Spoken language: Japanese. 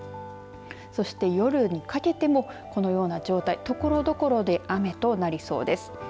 そして、夜にかけてもこのような状態、ところどころで雨となりそうです。